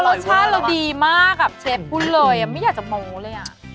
รสชาติเราดีมากชิบหุ้นเลยไม่อยากจะโม๊คเลย